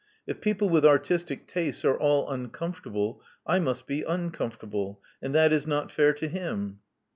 If people with artistic tastes are all uncomfortable, I must be uncomfortable; and that is not fair to him."